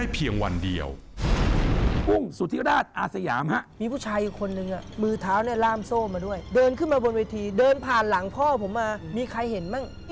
มีใครเห็นไหมชิ้นบินไม่มีใครเห็น